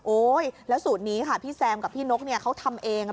แล้วสูตรนี้ค่ะพี่แซมกับพี่นกเขาทำเอง